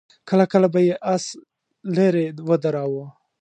کله کله به يې آس ليرې ودراوه.